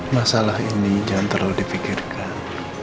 masalah ini jangan terlalu dipikirkan